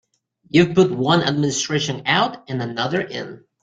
You've put one administration out and another in.